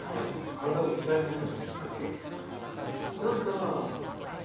体を鍛え始めたきっかけ。